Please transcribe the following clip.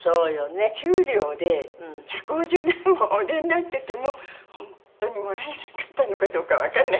給料で百五十何本お出になってても本当にもらえなかったのかどうかわかんないんですけど。